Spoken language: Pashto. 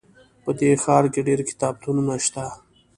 په دې ښار کې ډېر کتابتونونه شته